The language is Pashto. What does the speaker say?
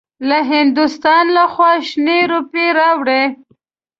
له هندوستان لخوا شنې روپۍ راوړې.